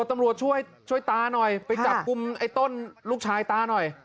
ตำรวจช่วยช่วยตาหน่อยไปจับกลุ่มไอ้ต้นลูกชายตาหน่อย